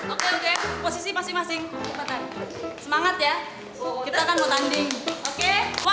oke oke posisi masing masing semangat ya kita akan mau tanding oke wah